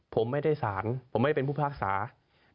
ผมไม่ได้สารผมไม่ได้เป็นผู้ภาคศาสตร์